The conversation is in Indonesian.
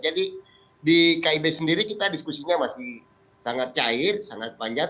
jadi di kib sendiri kita diskusinya masih sangat cair sangat panjat